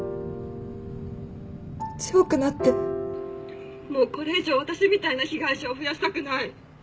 強くなってもうこれ以上私みたいな被害者を増やしたくない。